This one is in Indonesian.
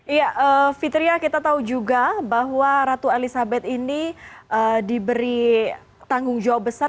iya fitriah kita tahu juga bahwa ratu elizabeth ini diberi tanggung jawab besar